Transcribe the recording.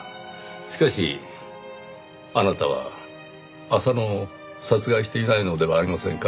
しかしあなたは浅野を殺害していないのではありませんか？